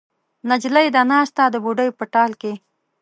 نجلۍ ده ناسته د بوډۍ په ټال کې